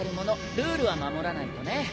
ルールは守らないとね。